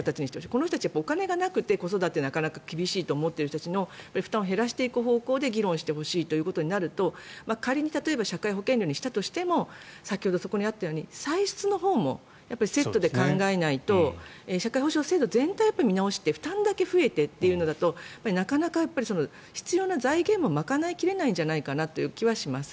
この人たちはお金がなくて子育てがなかなか厳しいと思っている方の負担を減らしていく方向で議論してほしいとなると仮に例えば社会保険料にしたとしても先ほどあったように歳出のほうもセットで考えないと社会保障制度全体を見直して負担だけ増えてというのだとなかなか必要な財源も賄い切れないんじゃないかなという気がします。